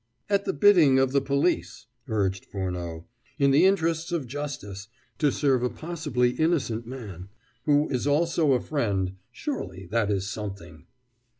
"At the bidding of the police," urged Furneaux "in the interests of justice to serve a possibly innocent man, who is also a friend surely that is something."